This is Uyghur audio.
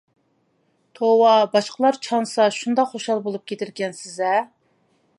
توۋا! باشقىلار چانسا شۇنداق خۇشال بولۇپ كېتىدىكەنسىز ھە!